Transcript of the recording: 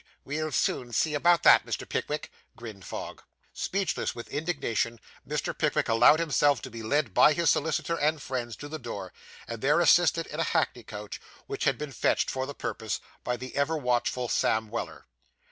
We'll soon see about that, Mr. Pickwick,' grinned Fogg. Speechless with indignation, Mr. Pickwick allowed himself to be led by his solicitor and friends to the door, and there assisted into a hackney coach, which had been fetched for the purpose, by the ever watchful Sam Weller.